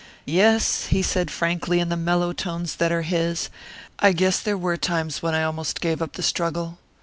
'Yes,' he said frankly in the mellow tones that are his, 'I guess there were times when I almost gave up the struggle.